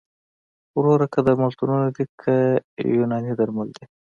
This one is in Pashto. وروره که درملتونونه دي که یوناني درمل دي